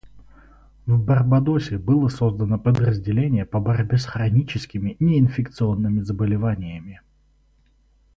В Барбадосе было создано подразделение по борьбе с хроническими неинфекционными заболеваниями.